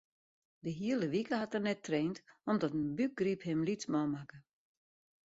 De hiele wike hat er net traind omdat in bûkgryp him lytsman makke.